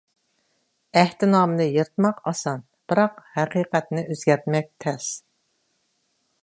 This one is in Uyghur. ئەھدىنامىنى يىرتماق ئاسان، بىراق ھەقىقەتنى ئۆزگەرتمەك تەس.